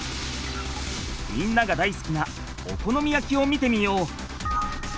みんながだいすきなお好み焼きを見てみよう！